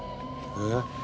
「えっ？」